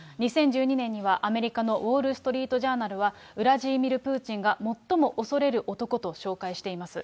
２０１２年にはアメリカのウォール・ストリート・ジャーナルは、ウラジーミル・プーチンが最も恐れる男と紹介しています。